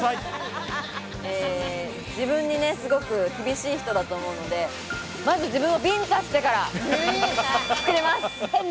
自分にすごく厳しい人だと思うので、まず自分をビンタしてから作ります。